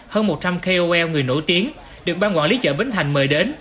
hơn một trăm linh kol người nổi tiếng được ban quản lý chợ bến thành mời đến